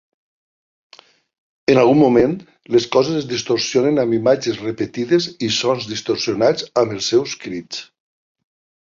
En algun moment, les coses es distorsionen amb imatges repetides i sons distorsionats amb els seus crits.